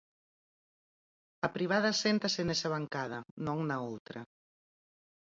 A privada séntase nesa bancada, non na outra.